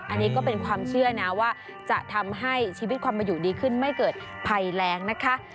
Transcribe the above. อันนี้ก็เป็นความเชื่อนะว่าจะทำให้ชีวิตความมาอยู่ดีขึ้นไม่เกิดภัยแรงนะคะ